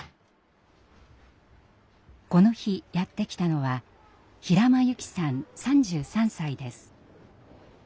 この日やって来たのは平間優希さん３３歳です。